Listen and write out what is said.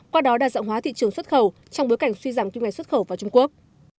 qua đó đa dạng hóa thị trường xuất khẩu trong bối cảnh suy giảm kinh ngạch xuất khẩu vào trung quốc